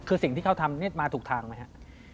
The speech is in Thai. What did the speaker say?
คือสิ่งที่เขาทำนี่มาถูกทางไหมครับ